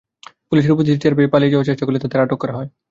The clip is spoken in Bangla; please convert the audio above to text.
পুলিশের উপস্থিতি টের পেয়ে পালিয়ে যাওয়ার চেষ্টা করলে তাঁদের আটক করা হয়।